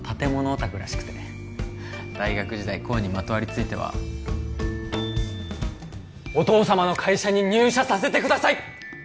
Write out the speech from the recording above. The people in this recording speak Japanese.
オタクらしくて大学時代功にまとわりついてはお父様の会社に入社させてください！